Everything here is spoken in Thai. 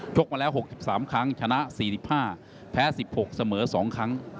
กมาแล้ว๖๓ครั้งชนะ๔๕แพ้๑๖เสมอ๒ครั้ง